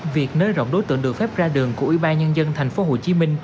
việc nới rộng đối tượng được phép ra đường của ubnd tp hcm